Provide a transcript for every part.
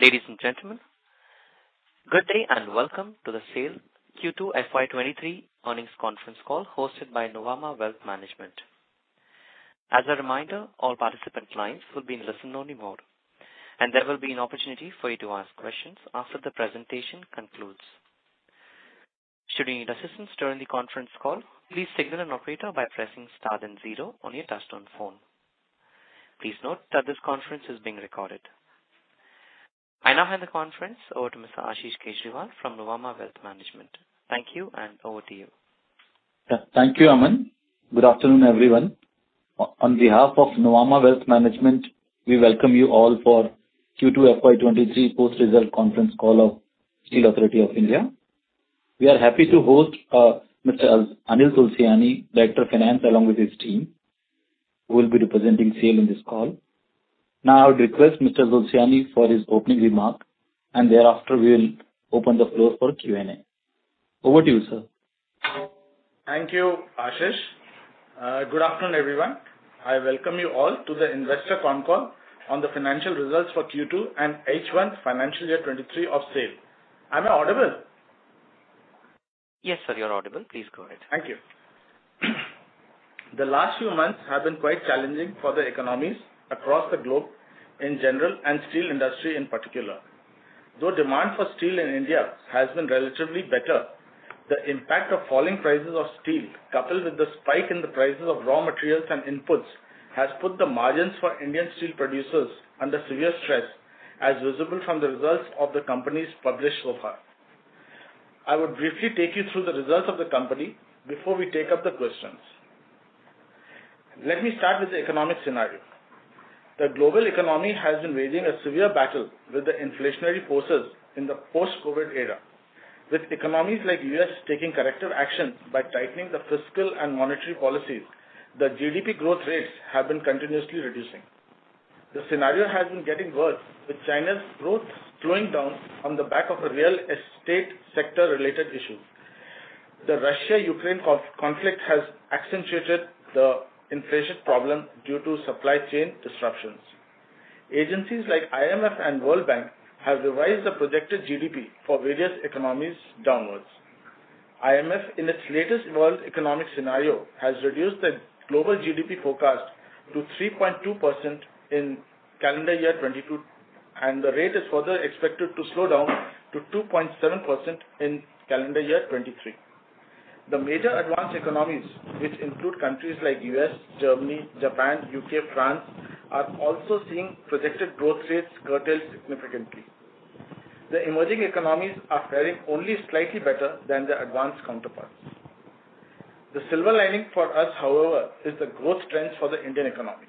Ladies and gentlemen, good day and welcome to the SAIL Q2 FY 2023 earnings conference call hosted by Nuvama Wealth Management. As a reminder, all participant lines will be in listen-only mode, and there will be an opportunity for you to ask questions after the presentation concludes. Should you need assistance during the conference call, please signal an operator by pressing star then zero on your touchtone phone. Please note that this conference is being recorded. I now hand the conference over to Mr. Ashish Kejriwal from Nuvama Wealth Management. Thank you, and over to you. Thank you, Aman. Good afternoon, everyone. On behalf of Nuvama Wealth Management, we welcome you all for Q2 FY23 post-result conference call of Steel Authority of India. We are happy to host, Mr. Anil Tulsiani, Director of Finance, along with his team, who will be representing SAIL in this call. Now I would request Mr. Tulsiani for his opening remark, and thereafter we'll open the floor for Q&A. Over to you, sir. Thank you, Ashish. Good afternoon, everyone. I welcome you all to the investor con call on the financial results for Q2 and H1 financial year 2023 of SAIL. Am I audible? Yes, sir, you're audible. Please go ahead. Thank you. The last few months have been quite challenging for the economies across the globe in general and steel industry in particular. Though demand for steel in India has been relatively better, the impact of falling prices of steel, coupled with the spike in the prices of raw materials and inputs, has put the margins for Indian steel producers under severe stress, as visible from the results of the companies published so far. I will briefly take you through the results of the company before we take up the questions. Let me start with the economic scenario. The global economy has been waging a severe battle with the inflationary forces in the post-COVID era. With economies like U.S. taking corrective action by tightening the fiscal and monetary policies, the GDP growth rates have been continuously reducing. The scenario has been getting worse, with China's growth slowing down on the back of a real estate sector-related issue. The Russia-Ukraine conflict has accentuated the inflation problem due to supply chain disruptions. Agencies like IMF and World Bank have revised the projected GDP for various economies downwards. IMF, in its latest world economic scenario, has reduced the global GDP forecast to 3.2% in calendar year 2022, and the rate is further expected to slow down to 2.7% in calendar year 2023. The major advanced economies, which include countries like U.S., Germany, Japan, U.K., France, are also seeing projected growth rates curtail significantly. The emerging economies are faring only slightly better than their advanced counterparts. The silver lining for us, however, is the growth trends for the Indian economy.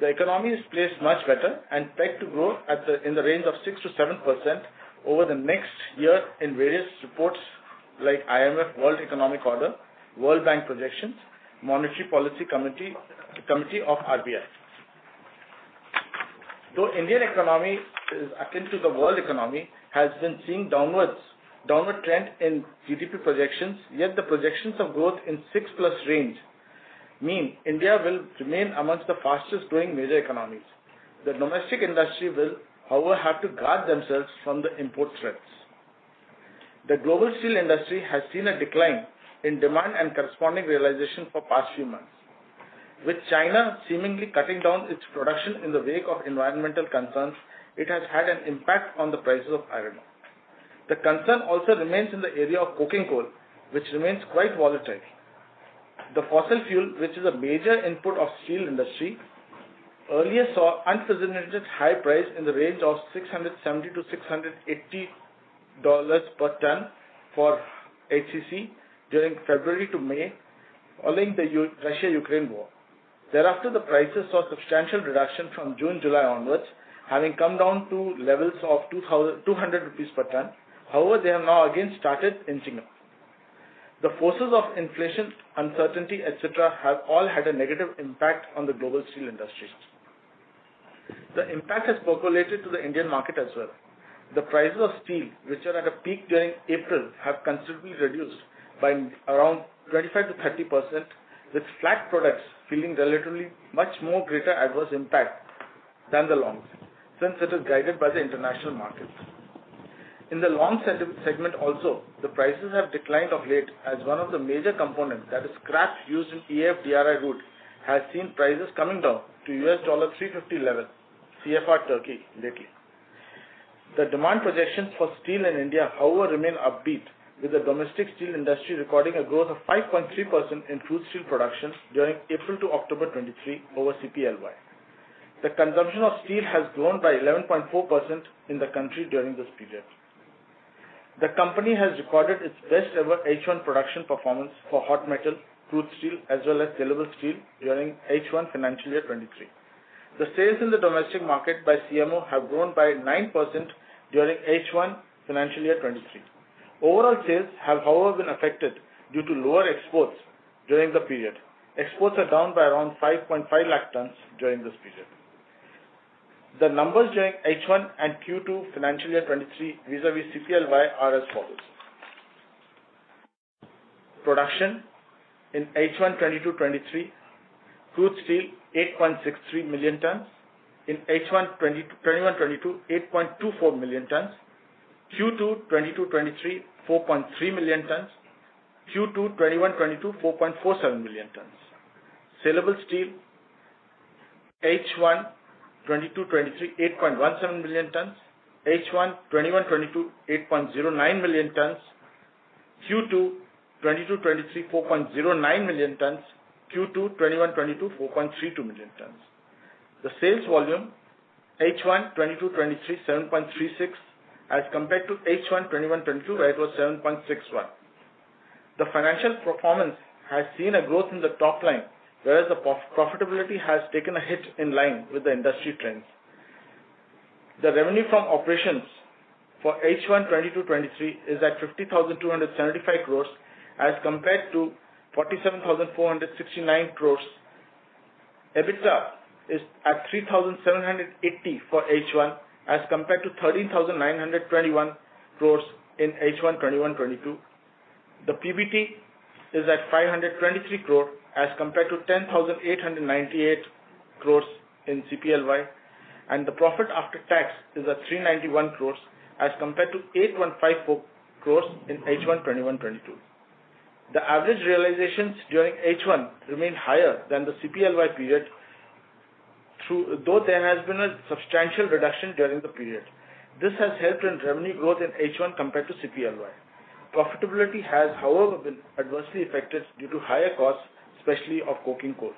The economy is placed much better and pegged to grow at the in the range of 6%-7% over the next year in various reports like IMF World Economic Outlook, World Bank projections, Monetary Policy Committee, the Committee of RBI. Though Indian economy is akin to the world economy has been seeing downward trend in GDP projections, yet the projections of growth in 6%+ range mean India will remain among the fastest growing major economies. The domestic industry will, however, have to guard themselves from the import threats. The global steel industry has seen a decline in demand and corresponding realization for past few months. With China seemingly cutting down its production in the wake of environmental concerns, it has had an impact on the prices of iron ore. The concern also remains in the area of coking coal, which remains quite volatile. The fossil fuel, which is a major input of steel industry, earlier saw unprecedented high price in the range of $670-$680 per ton for HCC during February to May following the Russia-Ukraine war. Thereafter, the prices saw substantial reduction from June-July onwards, having come down to levels of 200 rupees per ton. However, they have now again started inching up. The forces of inflation, uncertainty, et cetera, have all had a negative impact on the global steel industries. The impact has percolated to the Indian market as well. The prices of steel, which were at a peak during April, have considerably reduced by around 25%-30%, with flat products feeling relatively much more greater adverse impact than the longs since it is guided by the international markets. In the long segment also, the prices have declined of late as one of the major components, that is scrap used in EAF/DRI route, has seen prices coming down to $350 level CFR Turkey lately. The demand projections for steel in India, however, remain upbeat, with the domestic steel industry recording a growth of 5.3% in crude steel production during April to October 2023 over CPLY. The consumption of steel has grown by 11.4% in the country during this period. The company has recorded its best ever H1 production performance for hot metal, crude steel, as well as saleable steel during H1 financial year 2023. The sales in the domestic market by CMO have grown by 9% during H1 financial year 2023. Overall sales have, however, been affected due to lower exports during the period. Exports are down by around 5.5 lakh tons during this period. The numbers during H1 and Q2 financial year 2023 vis-a-vis CPLY are as follows. Production in H1 2022-23, crude steel 8.63 million tons. In H1 2021-22, 8.24 million tons. Q2 2022-23, 4.3 million tons. Q2 2021-22, 4.47 million tons. Saleable steel H1 2022-23, 8.17 million tons. H1 2021-22, 8.09 million tons. Q2 2022-23, 4.09 million tons. Q2 2021-22, 4.32 million tons. The sales volume H1 2022-23, 7.36 as compared to H1 2021-22, where it was 7.61. The financial performance has seen a growth in the top line, whereas the profitability has taken a hit in line with the industry trends. The revenue from operations for H1 2022-23 is at 50,275 crores as compared to 47,469 crores. EBITDA is at 3,780 crores for H1 as compared to 13,921 crores in H1 2021-22. The PBT is at 523 crore as compared to 10,898 crores in CPLY. The profit after tax is at 391 crores as compared to 8,154 crores in H1 2021-22. The average realizations during H1 remain higher than the CPLY period. Though there has been a substantial reduction during the period. This has helped in revenue growth in H1 compared to CPLY. Profitability has, however, been adversely affected due to higher costs, especially of coking coal.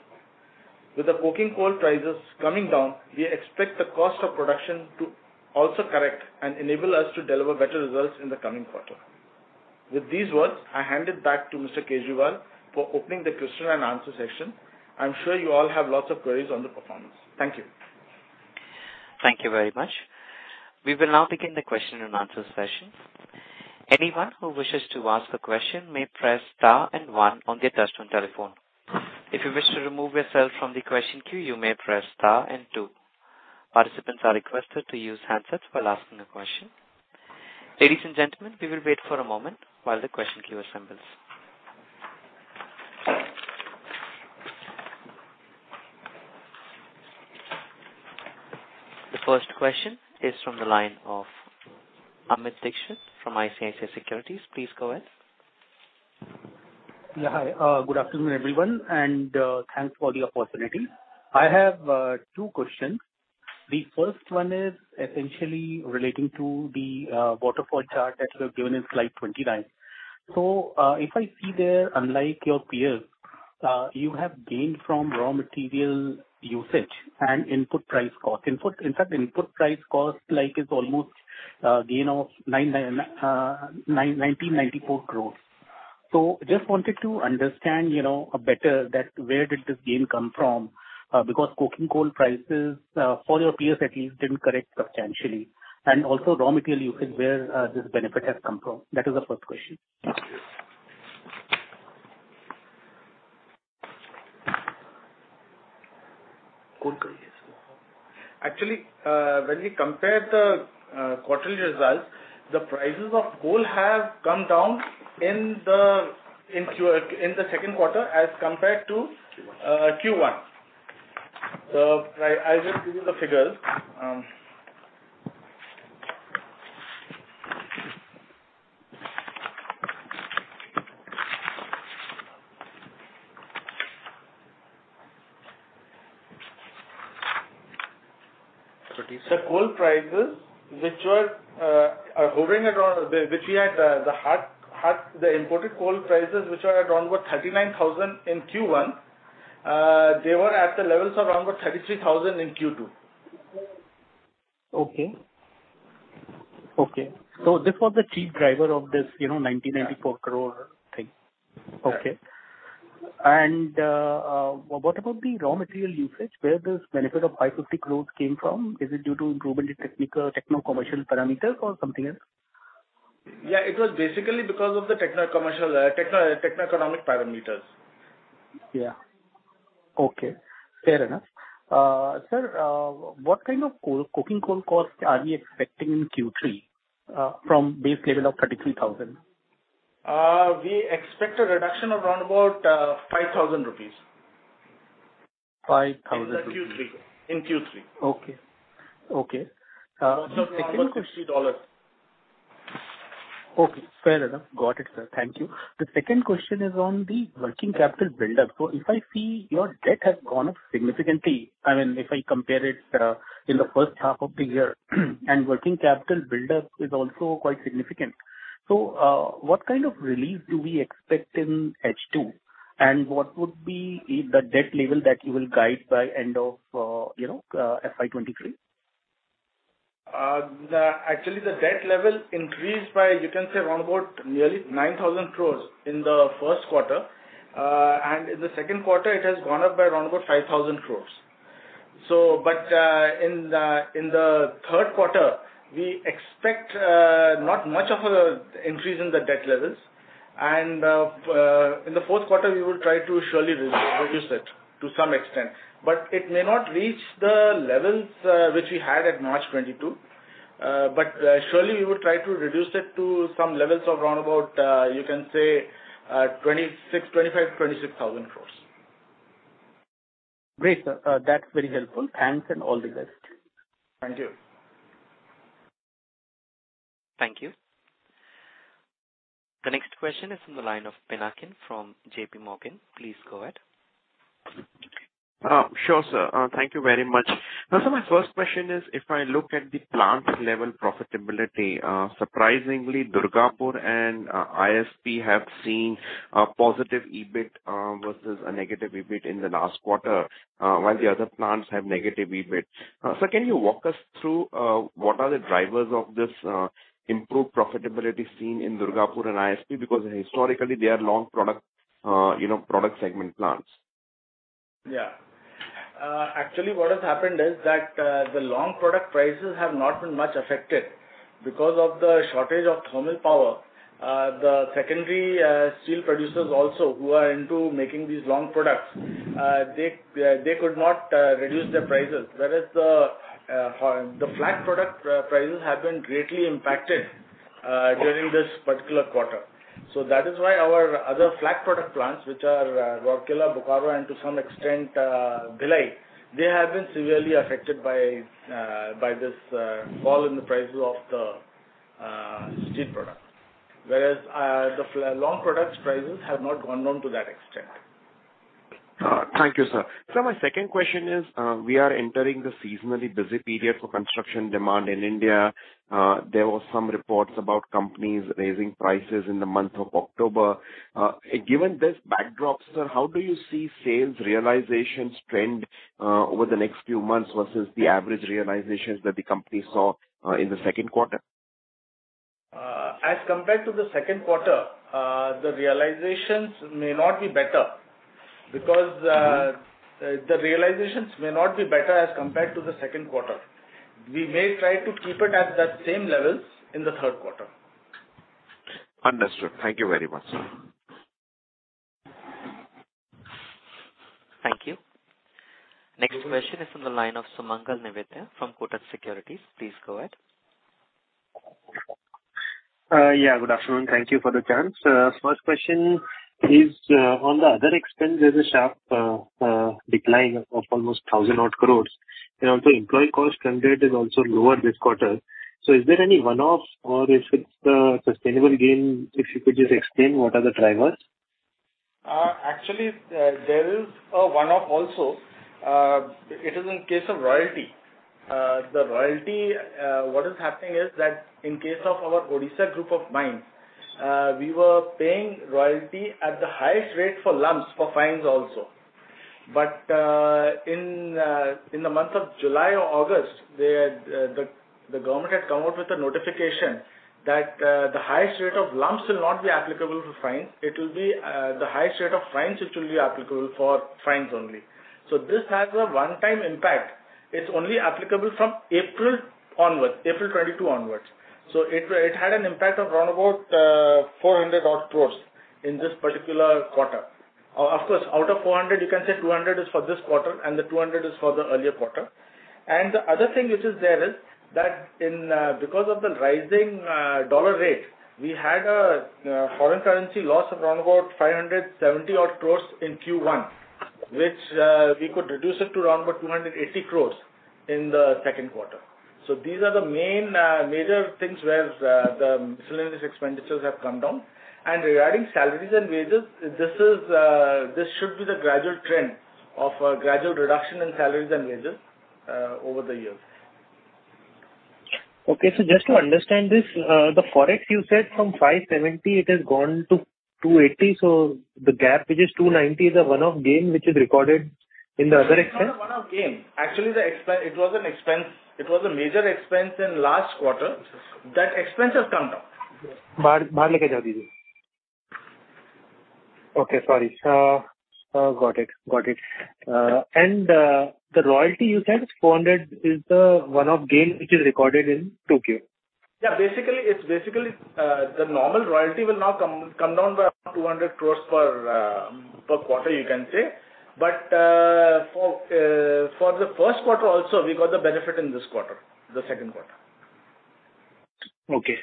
With the coking coal prices coming down, we expect the cost of production to also correct and enable us to deliver better results in the coming quarter. With these words, I hand it back to Mr. Kejriwal for opening the question and answer session. I'm sure you all have lots of queries on the performance. Thank you. Thank you very much. We will now begin the question and answer session. Anyone who wishes to ask a question may press star and one on their touchtone telephone. If you wish to remove yourself from the question queue, you may press star and two. Participants are requested to use handsets while asking the question. Ladies and gentlemen, we will wait for a moment while the question queue assembles. The first question is from the line of Amit Dixit from ICICI Securities. Please go ahead. Yeah, hi. Good afternoon, everyone, and thanks for the opportunity. I have two questions. The first one is essentially relating to the waterfall chart that you have given in slide 29. So, if I see there, unlike your peers, you have gained from raw material usage and input price cost. In fact, input price cost, like, is almost gain of 1,994 crores. So just wanted to understand, you know, better that where did this gain come from, because coking coal prices, for your peers at least didn't correct substantially. And also raw material usage, where this benefit has come from. That is the first question. Actually, when we compare the quarterly results, the prices of coal have come down in the second quarter as compared to Q1. I will give you the figures. The imported coal prices which were at around 39,000 in Q1, they were at the levels of around 33,000 in Q2. Okay. This was the chief driver of this, you know, 1,994 crore thing. Yeah. Okay. What about the raw material usage? Where this benefit of 550 crores came from? Is it due to improvement in technical, techno-commercial parameters or something else? Yeah. It was basically because of the techno-commercial, techno-economic parameters. Sir, what kind of coal, coking coal costs are we expecting in Q3 from base level of 33,000? We expect a reduction of around about 5,000 rupees. 5,000. In the Q three. In Q three. Okay. The second question. Around about $50. Okay. Fair enough. Got it, sir. Thank you. The second question is on the working capital buildup. If I see your debt has gone up significantly, I mean, if I compare it in the first half of the year, and working capital buildup is also quite significant. What kind of relief do we expect in H2? And what would be the debt level that you will guide by end of FY 2023? Actually the debt level increased by, you can say, around about nearly 9,000 crore in the first quarter. In the second quarter it has gone up by around about 5,000 crore. In the third quarter, we expect not much of an increase in the debt levels and in the fourth quarter, we will try to surely reduce it to some extent. It may not reach the levels which we had at March 2022. Surely we will try to reduce it to some levels of around about, you can say, 25,000-26,000 crore. Great, sir. That's very helpful. Thanks and all the best. Thank you. Thank you. The next question is from the line of Pinakin from JP Morgan. Please go ahead. Sure, sir. Thank you very much. My first question is, if I look at the plant level profitability, surprisingly Durgapur and IISCO have seen a positive EBIT versus a negative EBIT in the last quarter, while the other plants have negative EBIT. Can you walk us through what are the drivers of this improved profitability seen in Durgapur and IISCO? Because historically they are long product, you know, product segment plants. Actually, what has happened is that the long product prices have not been much affected because of the shortage of thermal power. The secondary steel producers also who are into making these long products, they could not reduce their prices. Whereas the flat product prices have been greatly impacted during this particular quarter. So that is why our other flat product plants which are Rourkela, Bokaro and to some extent Bhilai, they have been severely affected by this fall in the prices of the steel products. Whereas the long products prices have not gone down to that extent. Thank you, sir. My second question is, we are entering the seasonally busy period for construction demand in India. There were some reports about companies raising prices in the month of October. Given this backdrop, sir, how do you see sales realizations trend over the next few months versus the average realizations that the company saw in the second quarter? As compared to the second quarter, the realizations may not be better. We may try to keep it at that same levels in the third quarter. Understood. Thank you very much, sir. Thank you. Next question is from the line of Sumangal Nevatia from Kotak Securities. Please go ahead. Yeah, good afternoon. Thank you for the chance. First question is on the other expense; there's a sharp decline of almost 1,000-odd crores. Also employee cost trend rate is also lower this quarter. Is there any one-offs or is it sustainable gain? If you could just explain what are the drivers. Actually, there is a one-off also. It is in case of royalty. The royalty, what is happening is that in case of our Odisha group of mines, we were paying royalty at the highest rate for lumps, for fines also. In the month of July or August, the government had come out with a notification that the highest rate of lumps will not be applicable for fines. It will be the highest rate of fines which will be applicable for fines only. This has a one-time impact. It's only applicable from April onwards, April 2022 onwards. It had an impact of around 400 crore in this particular quarter. Of course, out of 400 you can say 200 is for this quarter and the 200 is for the earlier quarter. The other thing which is there is that in because of the rising dollar rate, we had a foreign currency loss of around about 570 crore in Q1, which we could reduce it to around about 280 crore in the second quarter. These are the main major things where the miscellaneous expenditures have come down. Regarding salaries and wages, this should be the gradual trend of a gradual reduction in salaries and wages over the years. Okay. Just to understand this, the Forex you said from 570 it has gone to 280. The gap which is 290 is a one-off gain which is recorded in the other expense. It is not a one-off gain. Actually, it was an expense. It was a major expense in last quarter. That expense has come down. Okay. Sorry. Got it. The royalty you said is 400 is the one-off gain which is recorded in 2Q. Yeah. Basically, it's the normal royalty will now come down by 200 crores per quarter you can say. For the first quarter also we got the benefit in this quarter, the second quarter. Okay.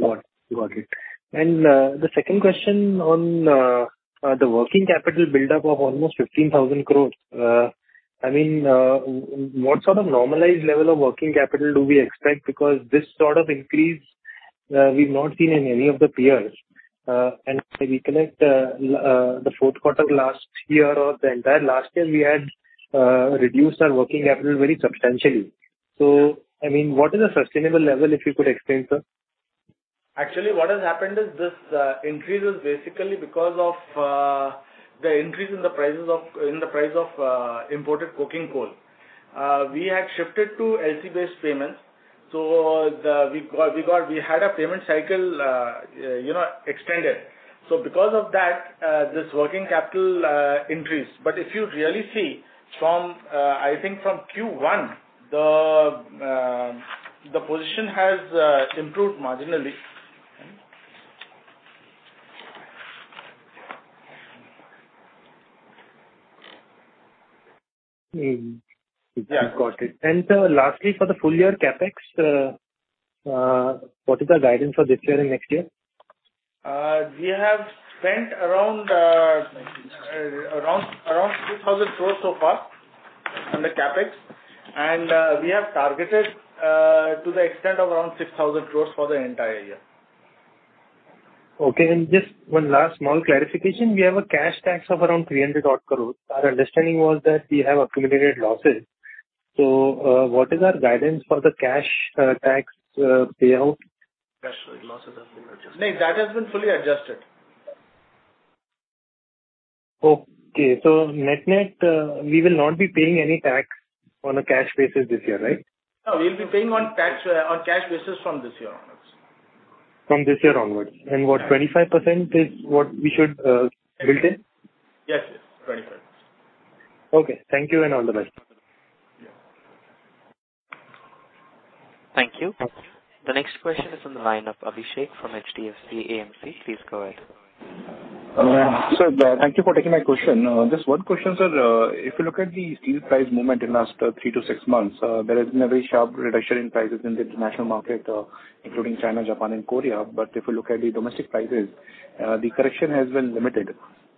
Got it. The second question on the working capital buildup of almost 15,000 crores. I mean, what sort of normalized level of working capital do we expect? Because this sort of increase, we've not seen in any of the peers. If we connect the fourth quarter of last year or the entire last year, we had reduced our working capital very substantially. I mean, what is the sustainable level, if you could explain, sir? Actually, what has happened is this increase is basically because of the increase in the price of imported coking coal. We had shifted to LC-based payments. We had a payment cycle, you know, extended. So because of that, this working capital increased. If you really see from, I think, from Q1, the position has improved marginally. Yeah, got it. Lastly, for the full year CapEx, what is the guidance for this year and next year? We have spent around 6,000 crores so far under CapEx. We have targeted to the extent of around 6,000 crores for the entire year. Okay. Just one last small clarification. We have a cash tax of around 300 odd crore. Our understanding was that we have accumulated losses. What is our guidance for the cash tax payout? No, that has been fully adjusted. Okay. Net-net, we will not be paying any tax on a cash basis this year, right? No, we'll be paying tax on cash basis from this year onwards. From this year onwards. What, 25% is what we should build in? Yes, yes. 25. Okay. Thank you and all the best. Yeah. Thank you. The next question is on the line of Abhishek from HDFC AMC. Please go ahead. Sir, thank you for taking my question. Just one question, sir. If you look at the steel price movement in last three to six months, there has been a very sharp reduction in prices in the international market, including China, Japan and Korea. If you look at the domestic prices, the correction has been limited.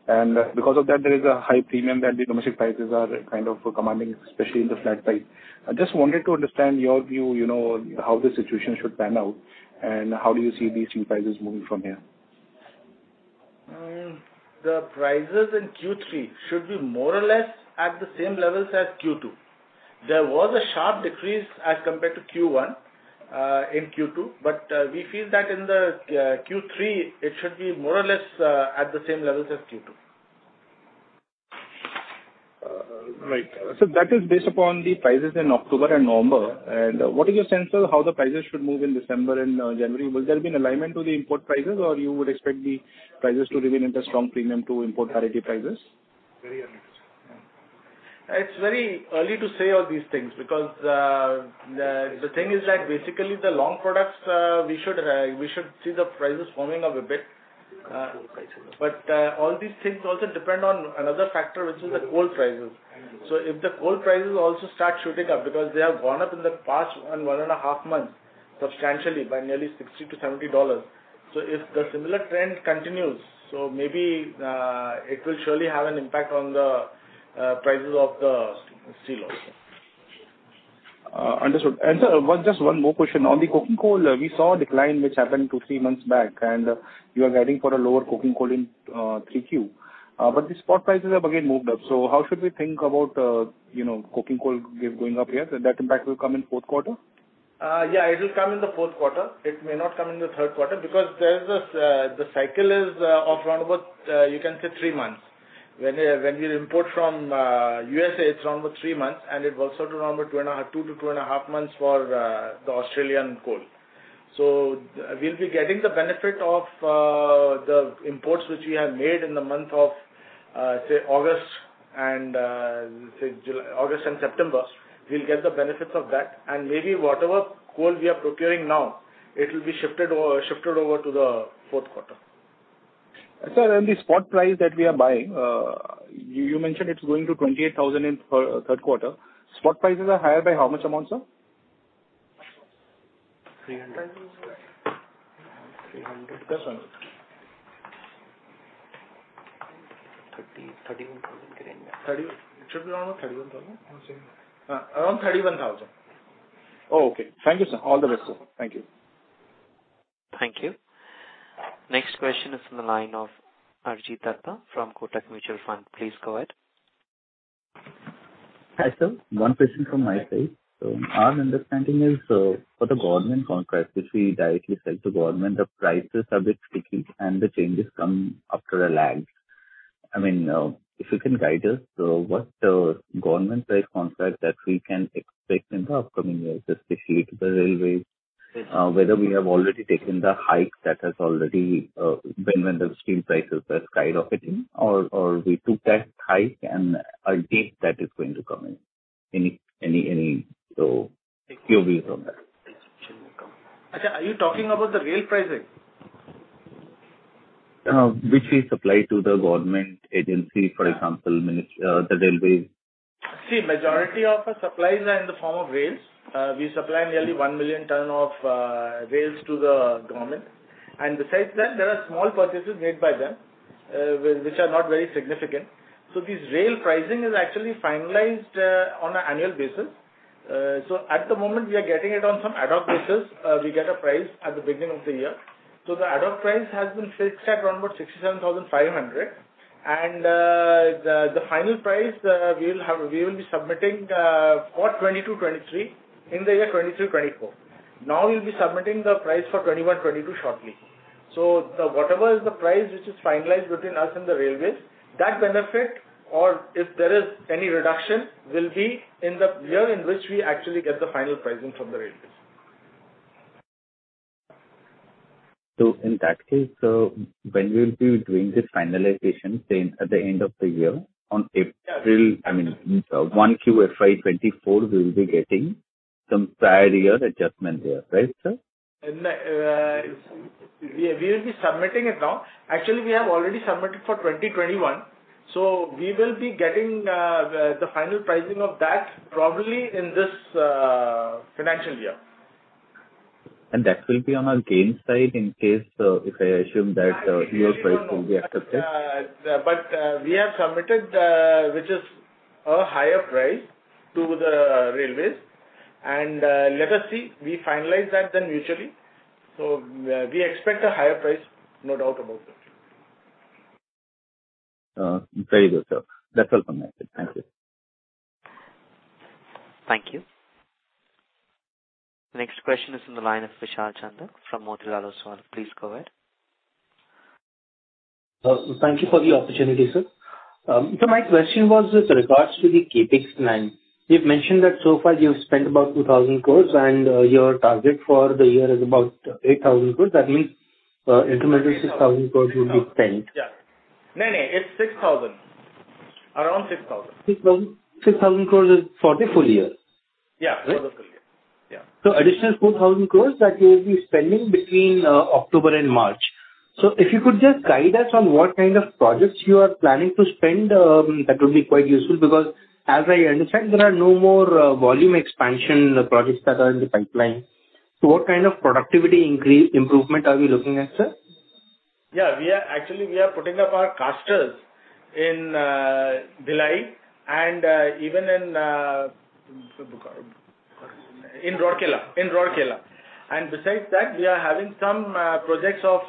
Because of that, there is a high premium that the domestic prices are kind of commanding, especially in the flat side. I just wanted to understand your view, you know, how the situation should pan out, and how do you see the steel prices moving from here? The prices in Q3 should be more or less at the same levels as Q2. There was a sharp decrease as compared to Q1 in Q2. We feel that in the Q3 it should be more or less at the same levels as Q2. That is based upon the prices in October and November. What is your sense of how the prices should move in December and January? Will there be an alignment to the import prices, or you would expect the prices to remain at a strong premium to import parity prices? It's very early to say all these things because the thing is that basically the long products we should see the prices firming up a bit. All these things also depend on another factor, which is the coal prices. If the coal prices also start shooting up because they have gone up in the past one and a half months substantially by nearly $60-$70. If the similar trend continues, maybe it will surely have an impact on the prices of the steel also. Understood. Sir, just one more question. On the coking coal, we saw a decline which happened two-three months back, and you are guiding for a lower coking coal in 3Q. But the spot prices have again moved up. So how should we think about, you know, coking coal given going up here? That impact will come in fourth quarter? Yeah, it will come in the fourth quarter. It may not come in the third quarter because there's this, the cycle is of round about, you can say three months. When you import from USA, it's around for three months, and it's also around two to two and a half months for the Australian coal. So we'll be getting the benefit of the imports which we have made in the month of, say August and September. We'll get the benefits of that. Maybe whatever coal we are procuring now, it will be shifted over to the fourth quarter. Sir, the spot price that we are buying, you mentioned it's going to 28,000 INR per third quarter. Spot prices are higher by how much amount, sir? 300+. 30-31,000 range. It should be around 31,000. Around 31,000. Oh, okay. Thank you, sir. All the best, sir. Thank you. Thank you. Next question is from the line of Arijit Dutta from Kotak Mutual Fund. Please go ahead. Hi, sir. One question from my side. Our understanding is, for the government contracts which we directly sell to government, the prices are a bit sticky and the changes come after a lag. I mean, if you can guide us, what government price contract that we can expect in the upcoming years, especially to the railways. Whether we have already taken the hike that has already been when the steel prices were skyrocketing or we took that hike and a date that is going to come in. Any so clear view on that. Are you talking about the rail pricing? which we supply to the government agency, for example, the railway. See, majority of our supplies are in the form of rails. We supply nearly 1 million tons of rails to the government. Besides that, there are small purchases made by them, which are not very significant. This rail pricing is actually finalized on an annual basis. At the moment we are getting it on some ad hoc basis. We get a price at the beginning of the year. The ad hoc price has been fixed at around about 67,500. The final price, we will be submitting for 2022-2023 in the year 2023-2024. Now, we'll be submitting the price for 2021-2022 shortly. Whatever is the price which is finalized between us and the railways, that benefit or if there is any reduction, will be in the year in which we actually get the final pricing from the railways. In that case, when we'll be doing the finalization then at the end of the year on April, I mean, 1Q of FY 2024 we will be getting Some prior year adjustment here, right, sir? We will be submitting it now. Actually, we have already submitted for 2021, so we will be getting the final pricing of that probably in this financial year. That will be on our gain side in case, if I assume that, your price will be accepted. We have submitted which is a higher price to the railways and let us see. We finalize that then mutually. We expect a higher price, no doubt about that. Very good, sir. That's all from my side. Thank you. Thank you. Next question is on the line of Vishal Chandak from Motilal Oswal. Please go ahead. Thank you for the opportunity, sir. My question was with regard to the CapEx plan. You've mentioned that so far you've spent about 2,000 crore and your target for the year is about 8,000 crore. That means, in the interim 6,000 crore will be spent. Yeah. No, no. It's 6,000. Around 6,000. 6,000? 6,000 crores is for the full year? Yeah. Right? For the full year, yeah. Additional 4,000 crore that you will be spending between October and March. If you could just guide us on what kind of projects you are planning to spend, that would be quite useful because as I understand, there are no more volume expansion projects that are in the pipeline. What kind of productivity improvement are we looking at, sir? We are actually putting up our casters in Bhilai and even in Bokaro. In Rourkela. Besides that, we are having some projects of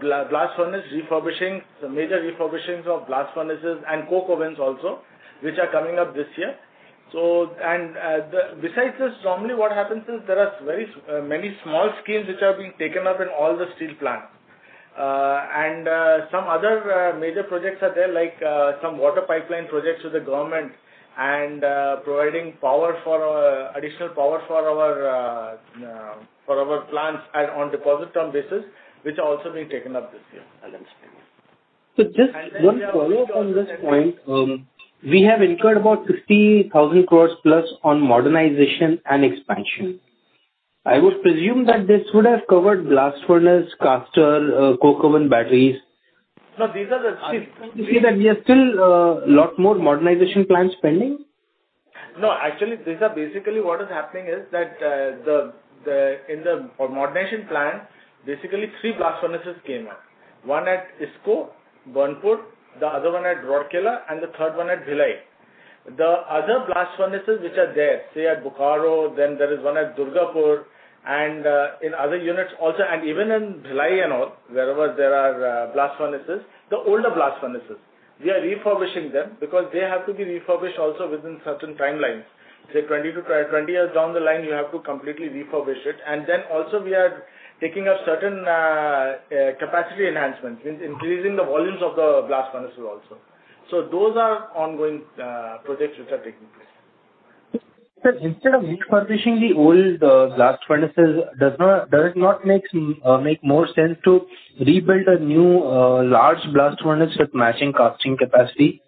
blast furnace refurbishing, some major refurbishing of blast furnaces and coke ovens also, which are coming up this year. Besides this, normally what happens is there are very many small-scale which are being taken up in all the steel plants. Some other major projects are there like some water pipeline projects with the government and providing additional power for our plants on deposit term basis, which are also being taken up this year. I understand. Just one follow-up on this point. We have incurred about 50,000+ crore on modernization and expansion. I would presume that this would have covered blast furnace, caster, coke oven batteries. No, these are the. You see that we have still, lot more modernization plans pending? No, actually these are basically what is happening is that in the modernization plan, basically three blast furnaces came up. One at IISCO, Burnpur, the other one at Rourkela, and the third one at Bhilai. The other blast furnaces which are there, say at Bokaro, then there is one at Durgapur and in other units also and even in Bhilai and all, wherever there are blast furnaces, the older blast furnaces, we are refurbishing them because they have to be refurbished also within certain timelines. Say 20 to 20 years down the line, you have to completely refurbish it. Then also we are taking up certain capacity enhancements in increasing the volumes of the blast furnaces also. Those are ongoing projects which are taking place. Sir, instead of refurbishing the old blast furnaces, does it not make more sense to rebuild a new large blast furnace with matching casting capacity?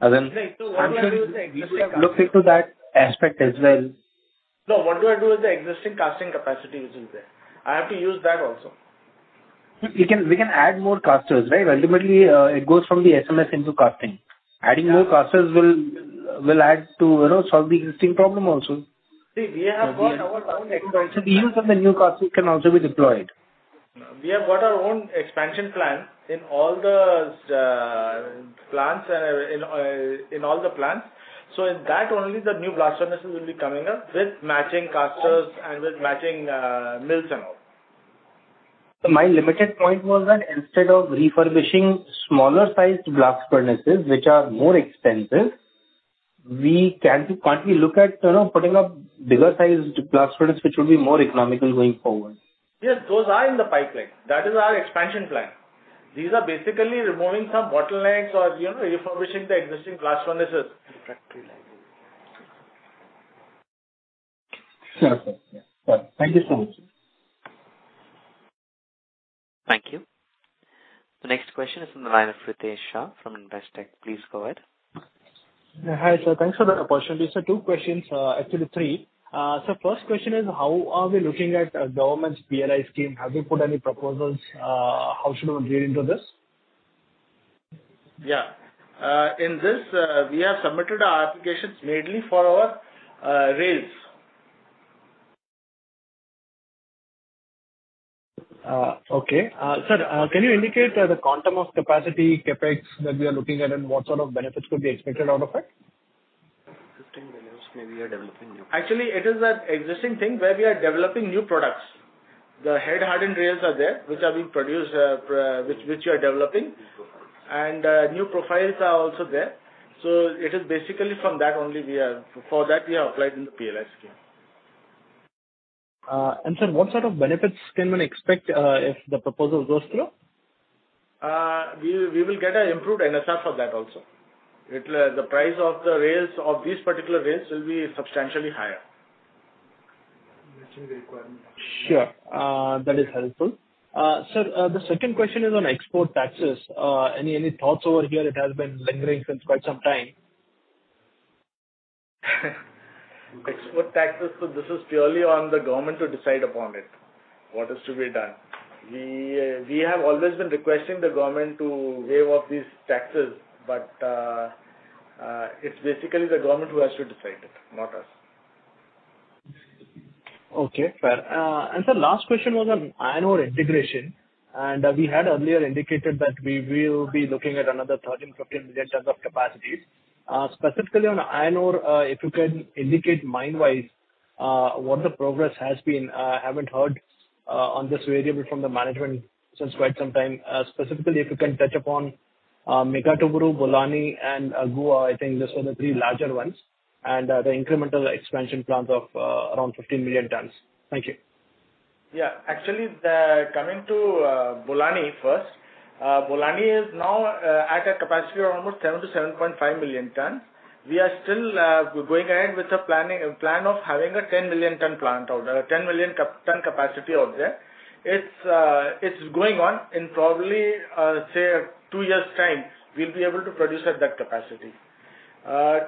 And then- No, what do I do with the existing casting? You should have looked into that aspect as well. No, what do I do with the existing casting capacity which is there? I have to use that also. We can add more casters, right? Ultimately, it goes from the SMS into casting. Adding more casters will add to, you know, solve the existing problem also. See, we have got our own expansion. The use of the new caster can also be deployed. We have got our own expansion plan in all the plants. In that only the new blast furnaces will be coming up with matching casters and with matching mills and all. My limited point was that instead of refurbishing smaller sized blast furnaces which are more expensive, can't we look at, you know, putting up bigger sized blast furnaces which will be more economical going forward? Yes, those are in the pipeline. That is our expansion plan. These are basically removing some bottlenecks or, you know, refurbishing the existing blast furnaces. Sure, sir. Yeah. Thank you so much. Thank you. The next question is from the line of Ritesh Shah from Investec. Please go ahead. Hi, sir. Thanks for the opportunity, sir. Two questions, actually three. First question is how are we looking at government's PLI scheme? Have you put any proposals? How should we read into this? Yeah. In this, we have submitted our applications mainly for our Rails. Okay. Sir, can you indicate the quantum of capacity, CapEx that we are looking at and what sort of benefits could be expected out of it? Actually, it is an existing thing where we are developing new products. The head hardened rails are there, which are being produced, which we are developing. New profiles are also there. It is basically from that only we are for that we have applied in the PLI scheme. Sir, what sort of benefits can one expect, if the proposal goes through? We will get an improved NSR for that also. The price of the rails, of these particular rails will be substantially higher. Sure. That is helpful. Sir, the second question is on export taxes. Any thoughts over here? It has been lingering since quite some time. Export taxes. This is purely on the government to decide upon it, what is to be done. We have always been requesting the government to waive off these taxes, but it's basically the government who has to decide it, not us. Okay, fair. Sir, last question was on iron ore integration, and we had earlier indicated that we will be looking at another 13-15 million tons of capacities. Specifically on iron ore, if you can indicate mine-wise, what the progress has been. I haven't heard on this variable from the management since quite some time. Specifically, if you can touch upon Meghahatuburu, Bolani and Goa. I think those are the three larger ones, and the incremental expansion plans of around 15 million tons. Thank you. Actually, coming to Bolani first. Bolani is now at a capacity of almost 7-7.5 million tonnes. We are still going ahead with the plan of having a 10 million tonne plant out there, 10 million tonne capacity out there. It's going on. In probably say two years' time, we'll be able to produce at that capacity.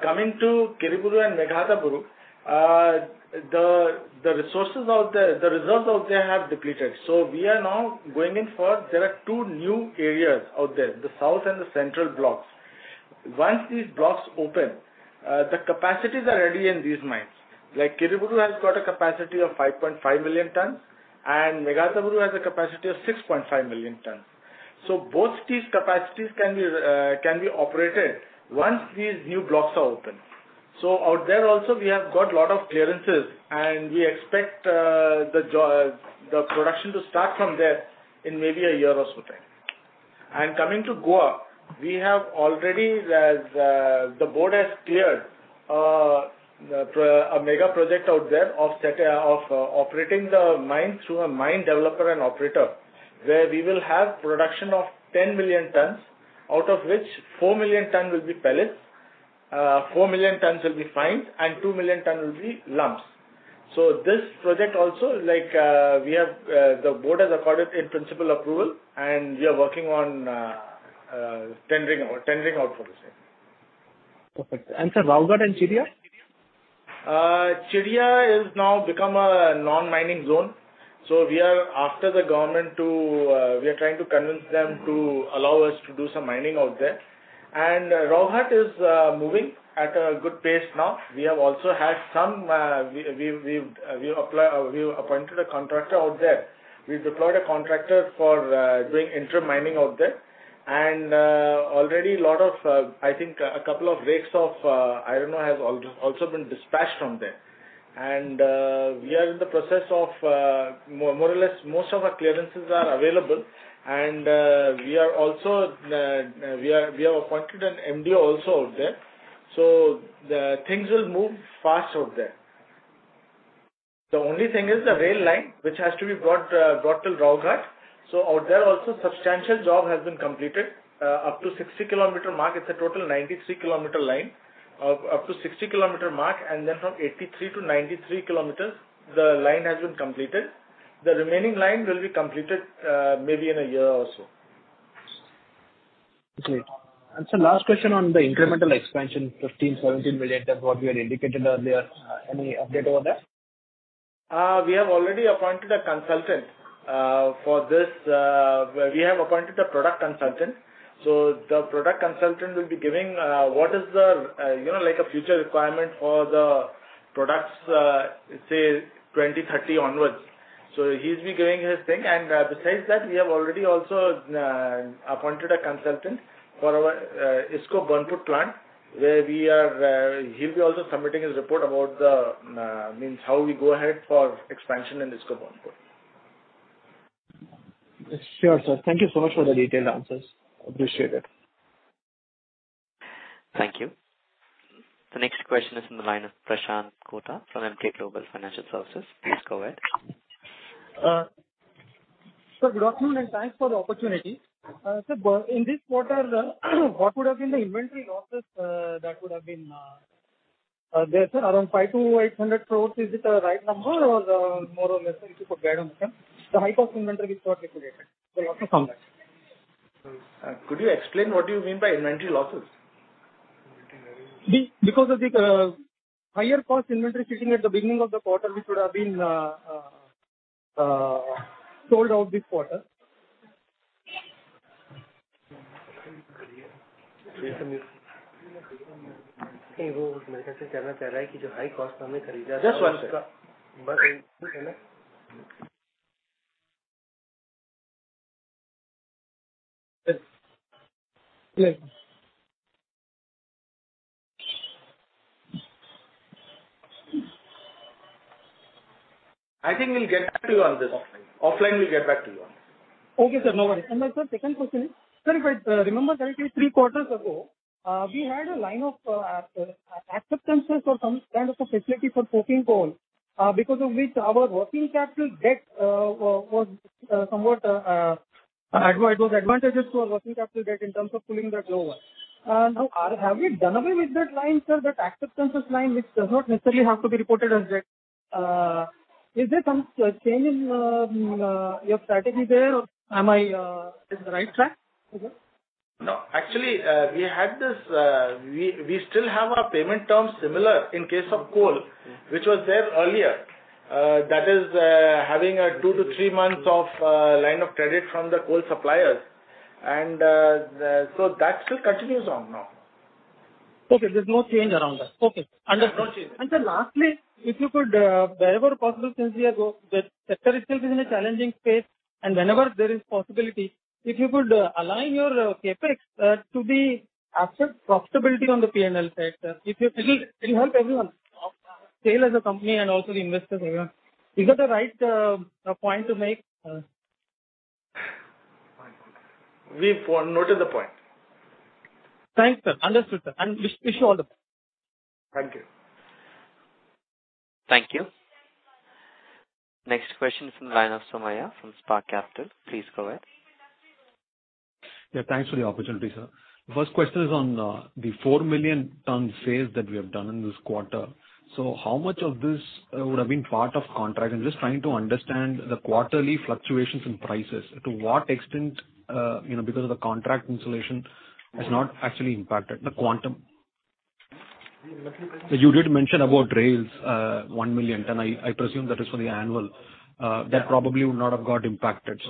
Coming to Kiriburu and Meghahatuburu, the resources out there, the reserves out there have depleted. So we are now going in for. There are two new areas out there, the south and the central blocks. Once these blocks open, the capacities are ready in these mines. Like, Kiriburu has got a capacity of 5.5 million tonnes, and Meghahatuburu has a capacity of 6.5 million tonnes. Both these capacities can be operated once these new blocks are open. Out there also we have got a lot of clearances, and we expect the production to start from there in maybe a year or so time. Coming to Goa, we have already, as the board has cleared, a mega project out there of operating the mine through a mine developer and operator, where we will have production of 10 million tonnes, out of which 4 million tonnes will be pellets, 4 million tonnes will be fines, and 2 million tonnes will be lumps. This project also like we have the board has accorded in-principle approval, and we are working on tendering out for the same. Perfect. Sir, Rowghat and Chiria? Chiria is now become a non-mining zone, so we are trying to convince them to allow us to do some mining out there. Rowghat is moving at a good pace now. We have appointed a contractor out there. We deployed a contractor for doing interim mining out there. Already a lot of, I think a couple of rakes of iron ore have also been dispatched from there. We are in the process of, more or less most of our clearances are available. We have also appointed an MDO out there. The things will move fast out there. The only thing is the rail line, which has to be brought till Rowghat. Out there also substantial job has been completed up to 60 km mark. It's a total 93-km line. Up to 60 km mark, and then from 83 to 93 km, the line has been completed. The remaining line will be completed maybe in a year or so. Great. Sir, last question on the incremental expansion, 15-17 million tons, what we had indicated earlier. Any update over there? We have already appointed a consultant for this. We have appointed a product consultant. The product consultant will be giving what is the, you know, like a future requirement for the products, say 2030 onwards. He's been giving his thing. Besides that, we have already also appointed a consultant for our IISCO Steel Plant, Burnpur, where we are, he'll be also submitting his report about the means how we go ahead for expansion in IISCO Steel Plant, Burnpur. Sure, sir. Thank you so much for the detailed answers. Appreciate it. Thank you. The next question is from the line of Prashanth Kota from Emkay Global Financial Services. Please go ahead. Sir, good afternoon, and thanks for the opportunity. Sir, in this quarter, what would have been the inventory losses that would have been there, sir? Around 500-800 crore, is it the right number or more or less, if you could guide on the same. The high cost inventory we saw liquidated. Also come back. Could you explain what do you mean by inventory losses? Because of the higher cost inventory sitting at the beginning of the quarter, which would have been sold out this quarter. I think we'll get back to you on this offline. Okay, sir. No worry. Sir, second question. Sir, if I remember correctly, three quarters ago, we had a line of acceptances or some kind of a facility for coking coal, because of which our working capital debt was somewhat It was advantages to our working capital debt in terms of pulling that lower. Now, have we done away with that line, sir, that acceptances line which does not necessarily have to be reported as debt? Is there some change in your strategy there, or am I in the right track? No. Actually, we still have our payment terms similar in case of coal. Mm-hmm. Which was there earlier. That is, having a two-three months of line of credit from the coal suppliers, and so that still continues on now. Okay. There's no change around that. Okay. Understood. There's no change. Sir, lastly, if you could, wherever possible, since sector itself is in a challenging space, and whenever there is possibility, if you could align your CapEx to be asset profitability on the P&L side, sir. It'll help everyone. Of course. SAIL as a company and also the investors as well. Is that the right point to make? Fine, fine. We've noted the point. Thanks, sir. Understood, sir. Wish you all the best. Thank you. Thank you. Next question is from Raina Somaya from Spark Capital. Please go ahead. Yeah, thanks for the opportunity, sir. First question is on the 4 million tons sales that we have done in this quarter. How much of this would have been part of contract? I'm just trying to understand the quarterly fluctuations in prices. To what extent you know because of the contract insulation has not actually impacted the quantum. You did mention about rails 1 million ton. I presume that is for the annual. That probably would not have got impacted.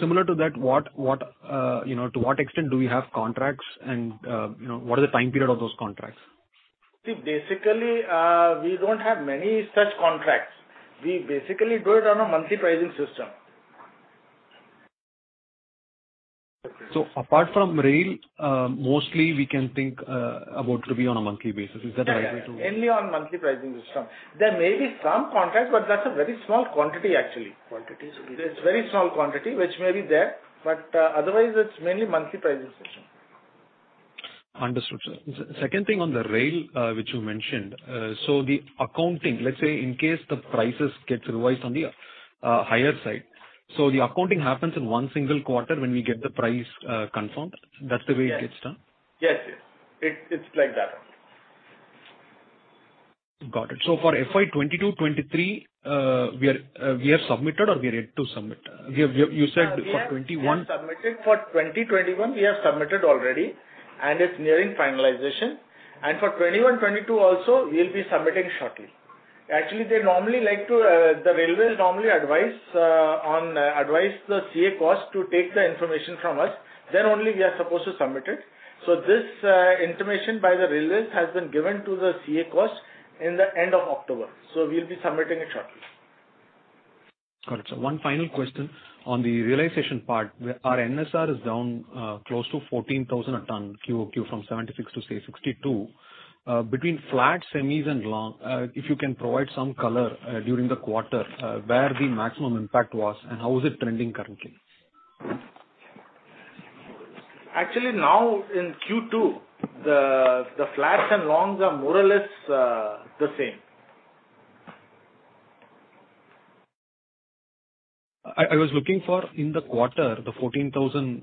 Similar to that, what you know to what extent do we have contracts and you know what are the time period of those contracts? See, basically, we don't have many such contracts. We basically do it on a monthly pricing system. Apart from rail, mostly we can think about to be on a monthly basis. Is that right to- Yeah. Mainly on monthly pricing system. There may be some contract, but that's a very small quantity, actually. Quantity. It's very small quantity which may be there, but otherwise it's mainly monthly pricing system. Understood, sir. Second thing on the rail, which you mentioned. The accounting, let's say in case the prices get revised on the higher side, so the accounting happens in one single quarter when we get the price confirmed? That's the way it gets done? Yes. It's like that only. Got it. For FY 2022-2023, we have submitted or we are yet to submit? We have. You said for 2021- We have submitted. For 2021, we have submitted already, and it's nearing finalization. For 2021-22 also we'll be submitting shortly. Actually, the Railways normally advise the Chief Adviser Cost to take the information from us, then only we are supposed to submit it. This information by the Railways has been given to the Chief Adviser Cost in the end of October, so we'll be submitting it shortly. Got it, sir. One final question. On the realization part, our NSR is down close to 14,000 a ton QOQ from 76,000 to, say, 62,000. Between flat, semis and long, if you can provide some color during the quarter, where the maximum impact was and how is it trending currently? Actually, now in Q2, the flats and longs are more or less the same. I was looking for, in the quarter, the 14,000,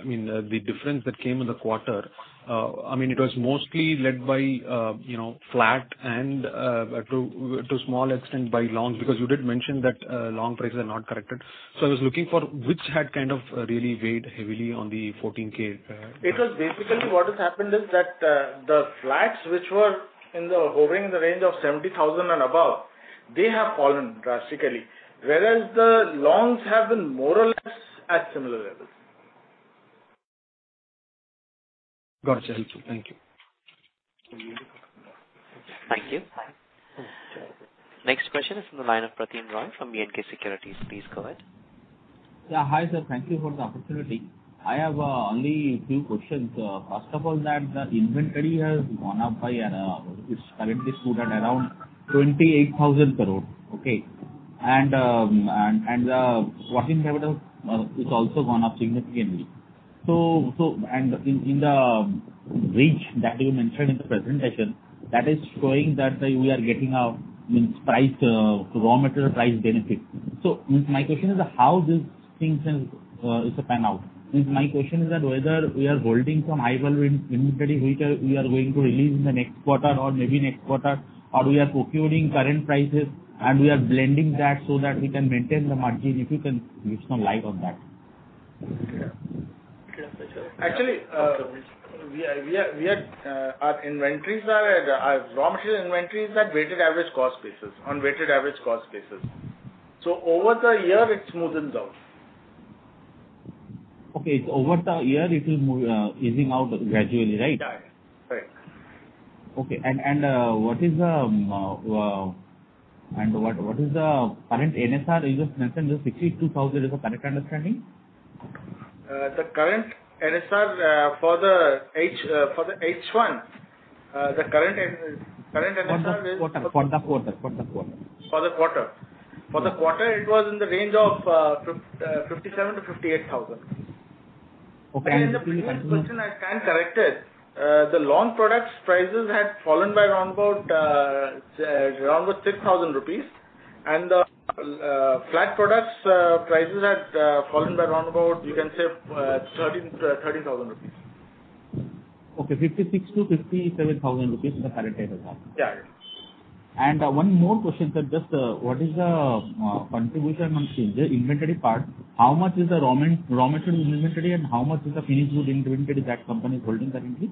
I mean, the difference that came in the quarter, I mean, it was mostly led by, you know, flat and, to small extent by longs, because you did mention that, long prices are not corrected. I was looking for which had kind of, really weighed heavily on the 14K impact. It was basically what has happened is that the flats which were hovering in the range of 70,000 and above have fallen drastically, whereas the longs have been more or less at similar levels. Gotcha. Thank you. Thank you. Thank you. Next question is from the line of Pritam Roy from B&K Securities. Please go ahead. Yeah. Hi, sir. Thank you for the opportunity. I have only few questions. First of all, that the inventory has gone up by, it's currently stood at around 28,000 crore, okay? The working capital is also gone up significantly. In the range that you mentioned in the presentation, that is showing that we are getting a mean price raw material price benefit. My question is that how these things is to pan out? Means my question is that whether we are holding some high value in inventory which we are going to release in the next quarter or maybe next quarter, or we are procuring current prices and we are blending that so that we can maintain the margin? If you can shed some light on that. Actually, our raw material inventories are on weighted average cost basis. Over the year, it smoothens out. Okay. Over the year it will easing out gradually, right? Right. Correct. Okay. What is the current NSR you just mentioned? The 62,000 is the correct understanding? The current NSR for the H1 is. For the quarter. For the quarter. Yes. For the quarter, it was in the range of 57-58 thousand. Okay. In the previous question I kind of corrected the long products prices had fallen by around about 6,000 rupees and the flat products prices had fallen by around about, you can say, 13,000. Okay. 56 thousand-57 thousand rupees is the current trade of that. Yeah. One more question, sir. Just, what is the contribution on change, the inventory part. How much is the raw material inventory and how much is the finished goods inventory that company is holding currently?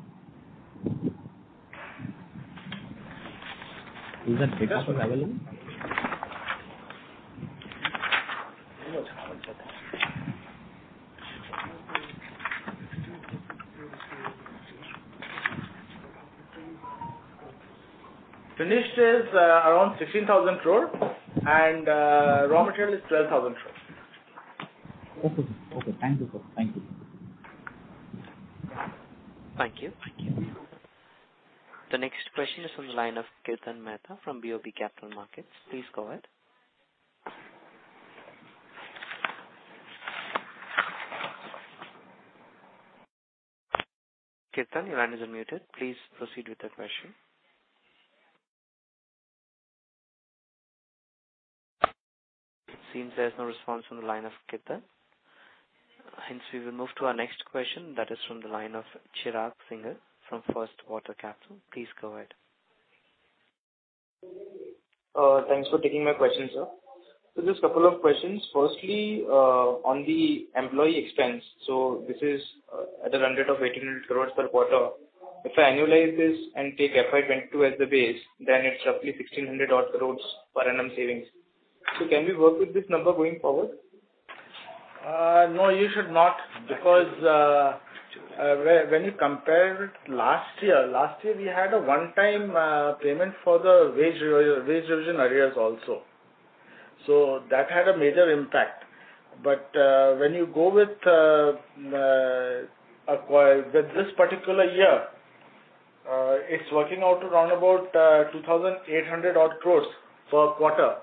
Is that data available? Finished is around 16,000 crore and raw material is 12,000 crore. Okay. Okay. Thank you, sir. Thank you. Thank you. Thank you. The next question is from the line of Kirtan Mehta from BOB Capital Markets. Please go ahead. Kirtan, your line is unmuted. Please proceed with your question. It seems there's no response from the line of Kirtan, hence we will move to our next question. That is from the line of Chirag Singhal from First Water Capital. Please go ahead. Thanks for taking my question, sir. Just couple of questions. Firstly, on the employee expense. This is at the run rate of 1,800 crores per quarter. If I annualize this and take FY 2022 as the base, then it's roughly 1,600 odd crores per annum savings. Can we work with this number going forward? No, you should not. Okay. When you compare it last year, we had a one-time payment for the wage revision arrears also. That had a major impact. When you go with a QoQ with this particular year, it's working out to around about 2,800-odd crores per quarter.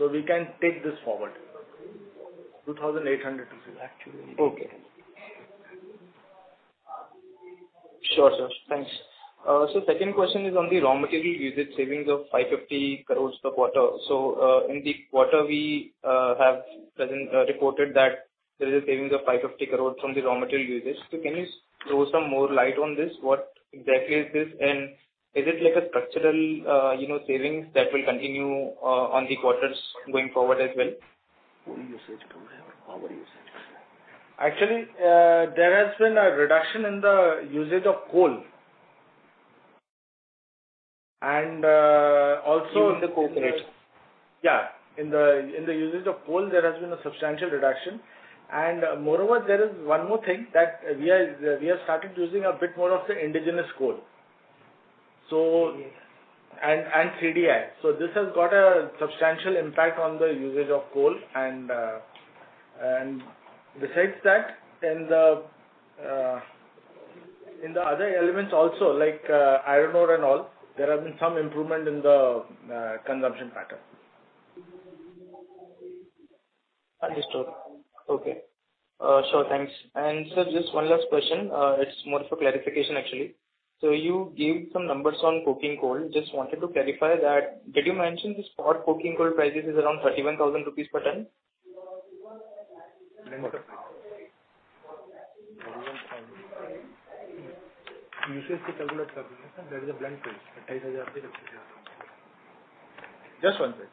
We can take this forward. 2,800 actually. Okay. Sure, sir. Thanks. Second question is on the raw material usage savings of 550 crores per quarter. In the quarter we have presently reported that there is a savings of 550 crores from the raw material usage. Can you throw some more light on this? What exactly is this and is it like a structural, you know, savings that will continue in the quarters going forward as well? Actually, there has been a reduction in the usage of coal. Using the coke ratio. Yeah. In the usage of coal there has been a substantial reduction. Moreover there is one more thing that we have started using a bit more of the indigenous coal. CDI. This has got a substantial impact on the usage of coal. Besides that, in the other elements also like, iron ore and all, there have been some improvement in the consumption pattern. Understood. Okay. Sure. Thanks. Sir, just one last question. It's more for clarification actually. You gave some numbers on coking coal. Just wanted to clarify that. Did you mention the spot coking coal prices is around 31,000 rupees per ton? Just one second.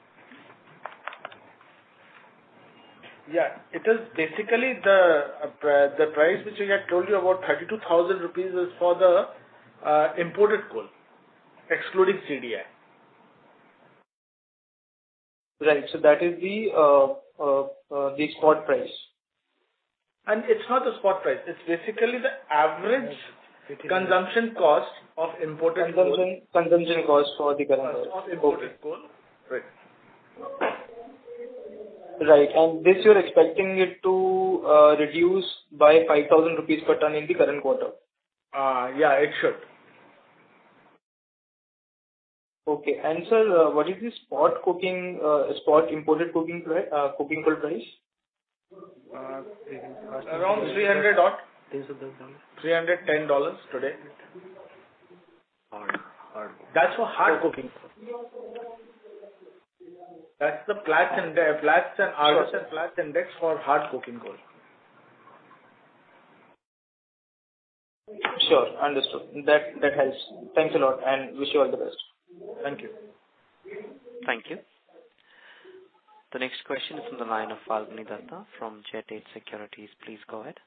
Yeah. It is basically the price which we had told you about 32,000 rupees is for the imported coal excluding CDI. Right. That is the spot price. It's not the spot price. It's basically the average consumption cost of imported coal. Consumption cost for the current price. Of imported coal. Right. Right. This you're expecting it to reduce by 5,000 rupees per ton in the current quarter? Yeah, it should. Okay. Sir, what is the spot imported coking coal price? Around $300 odd. $310 today. Hard coal. That's for hard coking coal. That's the flats and. Sure. Platts index for hard coking coal. Sure. Understood. That helps. Thanks a lot and wish you all the best. Thank you. Thank you. The next question is from the line of Falguni Dutta from Jet Age Securities. Please go ahead.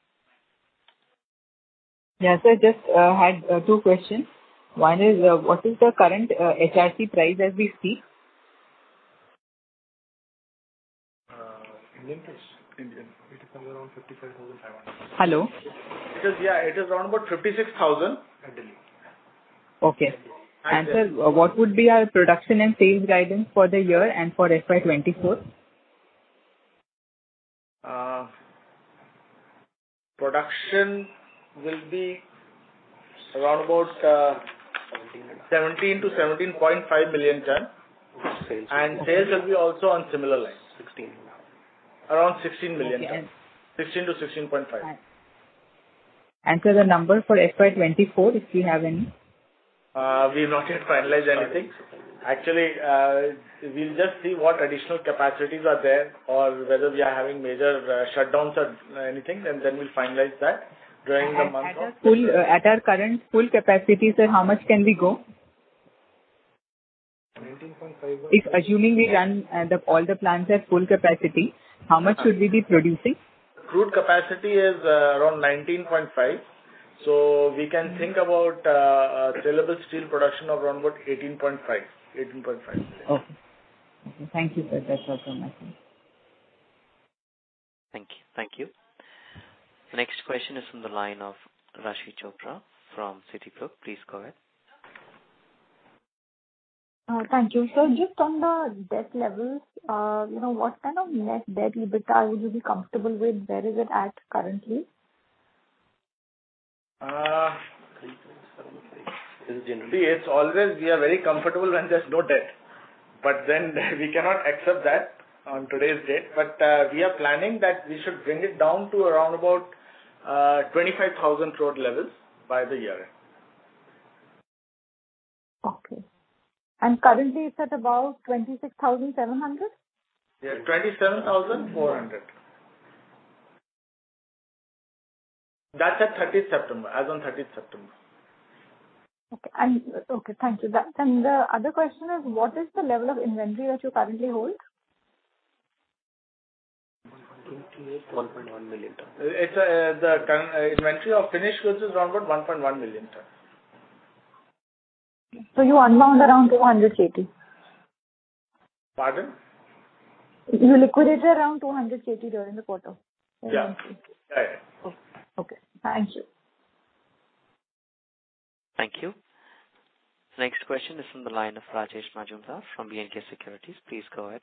Yeah. Just had two questions. One is, what is the current HRC price as we speak? Indian price? Indian. It is somewhere around INR 55,500. Hello? It is, yeah. It is around about 56,000. Currently. Okay. Sir, what would be our production and sales guidance for the year and for FY 2024? Production will be around about. Seventeen 17-17.5 million tons. Sales. Sales will be also on similar lines. 16 now. Around 16 million tons. Okay. Sixteen to sixteen point five. The number for FY 2024, if we have any. We've not yet finalized anything. Actually, we'll just see what additional capacities are there or whether we are having major shutdowns or anything, and then we'll finalize that during the month of. At our current full capacity, sir, how much can we go? If assuming we run all the plants at full capacity, how much should we be producing? Crude capacity is around 19.5. We can think about saleable steel production of around about 18.5 million. Okay. Thank you, sir. That's all from my side. Thank you. Thank you. Next question is from the line of Raashi Chopra from Citigroup. Please go ahead. Thank you. Just on the debt levels, you know, what kind of net debt EBITDA will you be comfortable with? Where is it at currently? Is generally- See, it's always we are very comfortable when there's no debt, but then we cannot accept that on today's date. We are planning that we should bring it down to around about 25,000 crore levels by the year end. Okay. Currently it's at about 26,700? Yeah. 27,400. That's as on 30th September. Okay. Okay, thank you. That, and the other question is what is the level of inventory that you currently hold? 1.1 million tons. It's the current inventory of finished goods is around about 1.1 million tons. You unbound around 200 KT? Pardon? You liquidated around 200 KT during the quarter? Yeah. Okay. Thank you. Thank you. Next question is from the line of Rajesh Majumdar from B&K Securities. Please go ahead.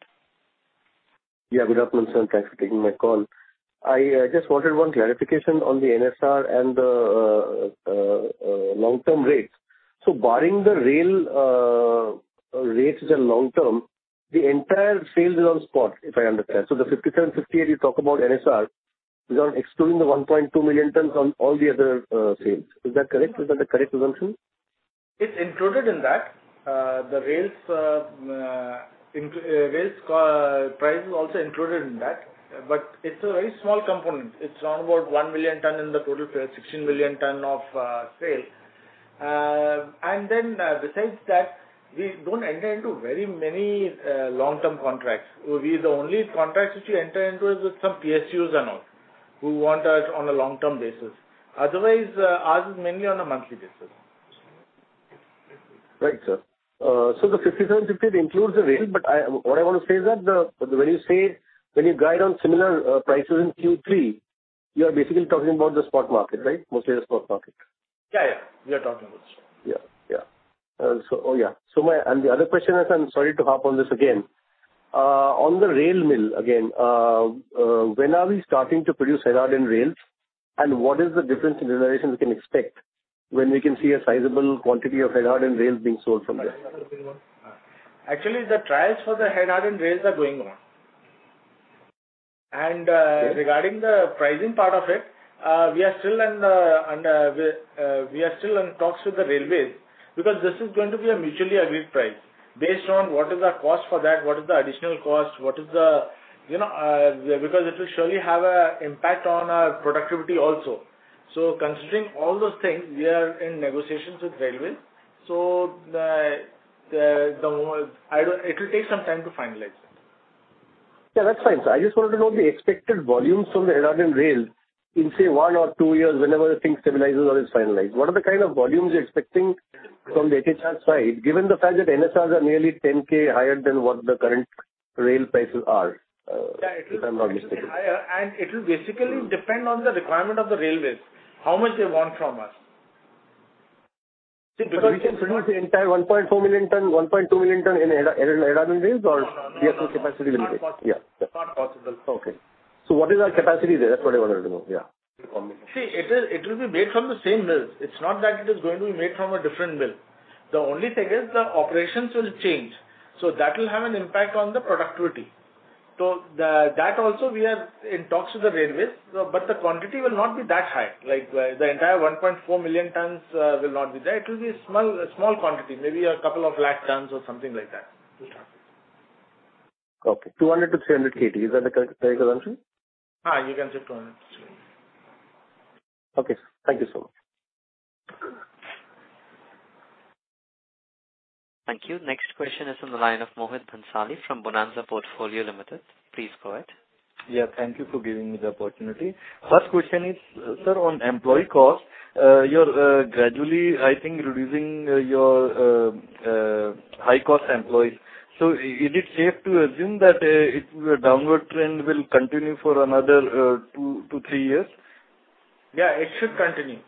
Yeah, good afternoon, sir, and thanks for taking my call. I just wanted one clarification on the NSR and the long-term rates. Barring the rail rates and long term, the entire sales is on spot, if I understand. The 57-58 you talk about NSR is on excluding the 1.2 million tons on all the other sales. Is that correct? Is that the correct assumption? It's included in that. The Rails price is also included in that, but it's a very small component. It's around about 1 million tons in the total sales, 16 million tons of saleable steel. Then, besides that, we don't enter into very many long-term contracts. The only contracts which we enter into is with some PSUs and all who want us on a long-term basis. Otherwise, ours is mainly on a monthly basis. Right, sir. The 57-58 includes the rail, but what I want to say is that when you guide on similar prices in Q3, you are basically talking about the spot market, right? Mostly the spot market. Yeah. We are talking about spot. Yeah. My other question is, I'm sorry to harp on this again. On the rail mill again, when are we starting to produce head hardened rails, and what is the difference in realization we can expect when we can see a sizable quantity of head hardened rails being sold from there? Actually, the trials for the head hardened rails are going on. Okay. Regarding the pricing part of it, we are still in talks with the railways because this is going to be a mutually agreed price based on what is our cost for that, what is the additional cost, what is the, you know, because it will surely have a impact on our productivity also. Considering all those things, we are in negotiations with railways. It will take some time to finalize it. Yeah, that's fine. I just wanted to know the expected volumes from the head hardened rails in, say, one or two years, whenever the thing stabilizes or is finalized. What are the kind of volumes you're expecting from the HSR side, given the fact that NSRs are nearly 10K higher than what the current rail prices are? If I'm not mistaken. Yeah. It will be higher. It will basically depend on the requirement of the railways, how much they want from us. We can produce the entire 1.4 million tons, 1.2 million tons in head hardened rails or. No, no. PSU capacity will be. It's not possible. Yeah. Yeah. It's not possible. Okay. What is our capacity there? That's what I wanted to know. Yeah. It will be made from the same mills. It's not that it is going to be made from a different mill. The only thing is the operations will change, so that will have an impact on the productivity. That also we are in talks with the railways, but the quantity will not be that high. Like, the entire 1.4 million tons will not be there. It will be small quantity, maybe a couple of lakh tons or something like that. Okay. 200-300 KT. Is that the correct assumption? You can say 200-300. Okay, sir. Thank you so much. Thank you. Next question is from the line of Mohit Bhansali from Bonanza Portfolio Limited. Please go ahead. Yeah, thank you for giving me the opportunity. First question is, sir, on employee cost, you're gradually, I think, reducing your high cost employees. Is it safe to assume that your downward trend will continue for another two-three years? Yeah, it should continue.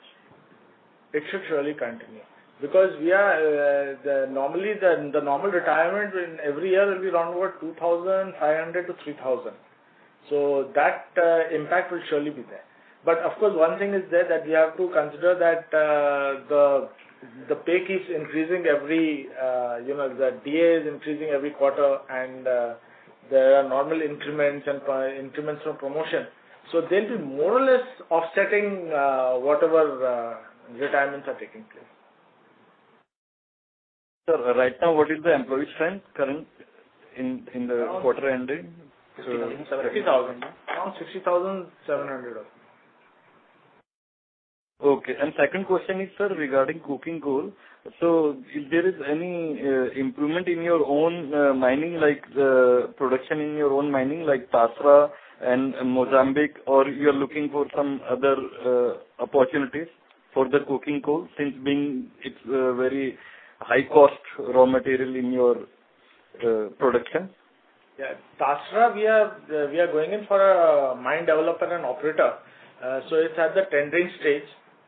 It should surely continue. We are the normal retirement in every year will be around about 2,500-3,000. That impact will surely be there. Of course, one thing is there that we have to consider that the pay keeps increasing every you know the DA is increasing every quarter and there are normal increments and increments from promotion. They'll be more or less offsetting whatever retirements are taking place. Sir, right now, what is the employee strength current in the quarter ending? 60,000. Around 60,700. Okay. Second question is, sir, regarding coking coal. If there is any improvement in your own mining, like the production in your own mining, like Tasra and Mozambique, or you are looking for some other opportunities for the coking coal since being it's a very high cost raw material in your production? Tasra, we are going in for a mine developer and operator. It's at the tendering stage.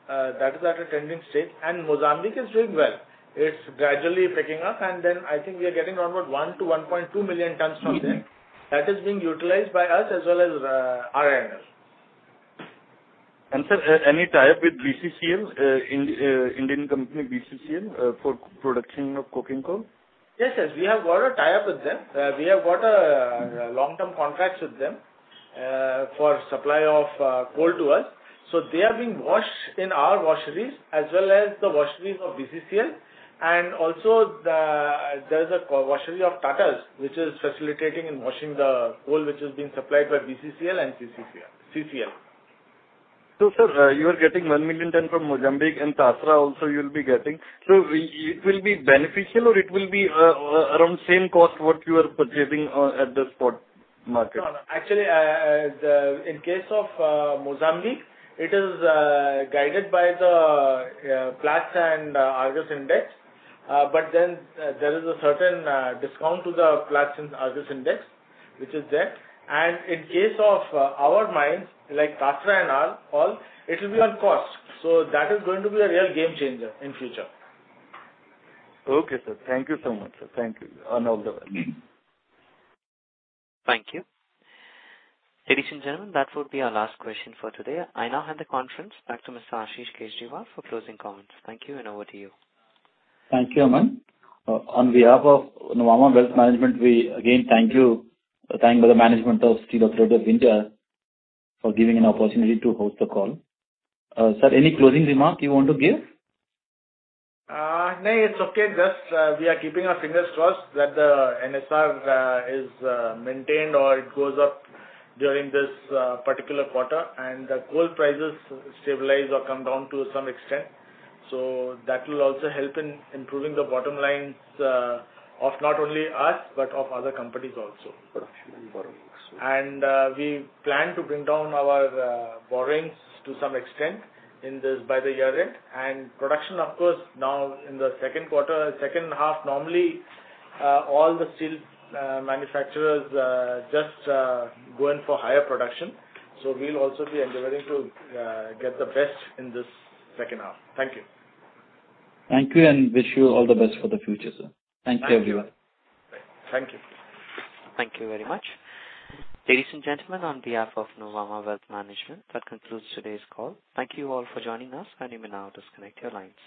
That is at a tendering stage and Mozambique is doing well. It's gradually picking up and then I think we are getting around 1-1.2 million tons from them. That is being utilized by us as well as RINL. Sir, any tie-up with BCCL, an Indian company, BCCL, for production of coking coal? Yes, yes. We have got a tie-up with them. We have got long-term contracts with them for supply of coal to us. They are being washed in our washeries as well as the washeries of BCCL. There's a co-washery of Tatas which is facilitating and washing the coal which is being supplied by BCCL and CCL. Sir, you are getting 1 million tons from Mozambique and Tasra. Also you'll be getting. It will be beneficial or it will be around same cost what you are purchasing at the spot market? No. Actually, in case of Mozambique, it is guided by the Platts and Argus index. There is a certain discount to the Platts and Argus index, which is there. In case of our mines, like Tasra and our coal, it will be on cost. That is going to be a real game changer in future. Okay, sir. Thank you so much, sir. Thank you. All the best. Thank you. Ladies and gentlemen, that would be our last question for today. I now hand the conference back to Mr. Ashish Kejriwal for closing comments. Thank you and over to you. Thank you, Aman. On behalf of Nuvama Wealth Management, we again thank the management of Steel Authority of India for giving an opportunity to host the call. Sir, any closing remark you want to give? No, it's okay. Just, we are keeping our fingers crossed that the NSR is maintained or it goes up during this particular quarter and the coal prices stabilize or come down to some extent. That will also help in improving the bottom lines of not only us, but of other companies also. Production and borrowings. We plan to bring down our borrowings to some extent in this by the year end. Production, of course, now in the second quarter, second half, normally, all the steel manufacturers just go in for higher production. We'll also be endeavoring to get the best in this second half. Thank you. Thank you and wish you all the best for the future, sir. Thank you, everyone. Thank you. Thank you very much. Ladies and gentlemen, on behalf of Nuvama Wealth Management, that concludes today's call. Thank you all for joining us and you may now disconnect your lines.